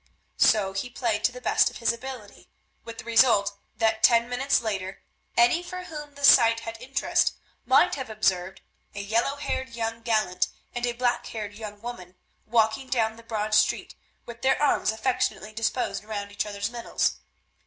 So he played to the best of his ability, with the result that ten minutes later any for whom the sight had interest might have observed a yellow haired young gallant and a black haired young woman walking down the Broad Street with their arms affectionately disposed around each other's middles.